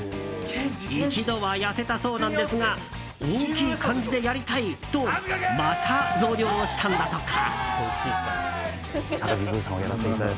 一度は痩せたそうなんですが大きい感じでやりたいとまた増量したんだとか。